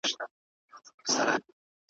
خوشحال بلله پښتانه د لندو خټو دېوال `